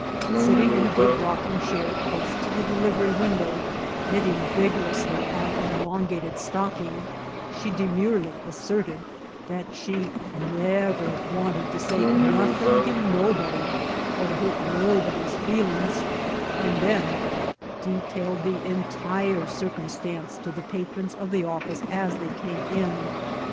Sitting in a big rocking chair close to the delivery window, knitting vigorously on an elongated stocking, she demurely asserted that she "never wanted to say nothin' 'gin' nobody, or to hurt nobody's feelin's," and then detailed the entire circumstance to the patrons of the office as they came in.